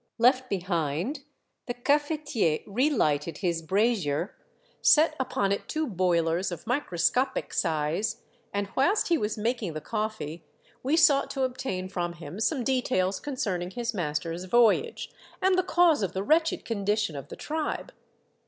Left behind, the cafetier rehghted his brazier, set upon it two boilers of microscopic size, and whilst he was making the coffee, we sought to obtain from him some details concerning his master's voyage, and the cause of the wretched condition of the tribe.